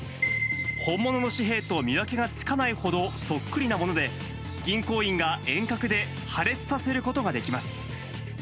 本物の紙幣と見分けがつかないほどそっくりなもので、銀行員が遠隔で破裂させることができます。